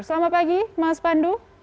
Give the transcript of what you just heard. selamat pagi mas pandu